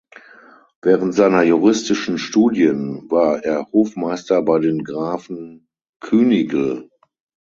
Während seiner juristischen Studien war er Hofmeister bei den Grafen Künigl.